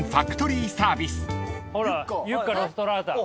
ほらユッカ・ロストラータ。